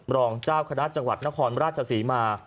รองเจ้าคณะจังหวัดนครราชศรีมา